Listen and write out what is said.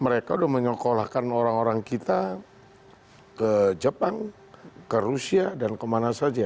mereka sudah menyekolahkan orang orang kita ke jepang ke rusia dan kemana saja